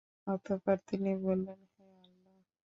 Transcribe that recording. অতঃপর তিনি বলেন, হে আল্লাহ!